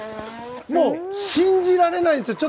もう信じられないですよ。